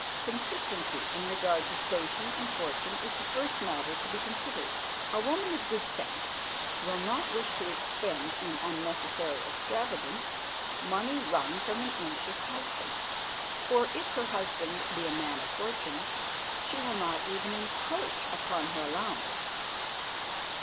Consistency in regard to station and fortune is the first matter to be considered. A woman of good sense will not wish to expend in unnecessary extravagance money wrung from an anxious husband; or, if her husband be a man of fortune, she will not even then encroach upon her allowance.